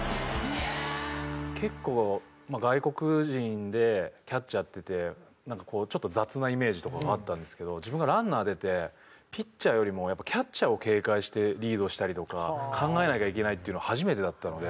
結構外国人でキャッチャーやっててなんかこう雑なイメージとかがあったんですけど自分がランナー出てピッチャーよりもやっぱキャッチャーを警戒してリードしたりとか考えなきゃいけないっていうのは初めてだったので。